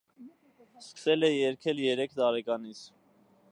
Սկսել է երգել երեք տարեկանից։